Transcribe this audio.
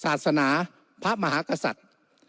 แต่การเลือกนายกรัฐมนตรี